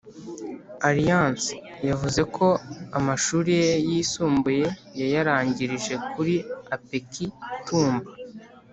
Alliance yavuzeko amashuriye yisumbuye yayarangirije kuri apeki tumba